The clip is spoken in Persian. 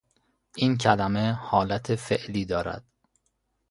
این کلمه حالت فعلی دارد